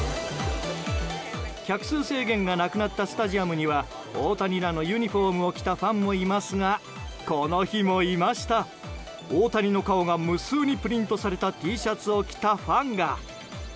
客数制限がなくなったスタジアムには大谷らのユニホームを着たファンもいますがこの日もいました大谷の顔が無数にプリントされたＴシャツを着たファンが。